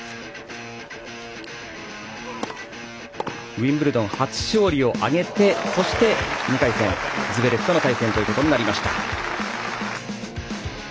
ウィンブルドン初勝利を挙げてそして、２回戦ズベレフとの対戦となりました。